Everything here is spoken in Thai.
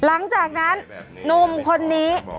หลังจากนั้นหนุ่มคนนี้